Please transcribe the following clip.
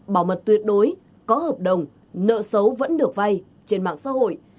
bảo mật tuyệt đối có hợp đồng nợ xấu vẫn được vay trên mạng xã hội